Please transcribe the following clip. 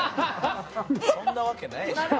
そんなわけないでしょ。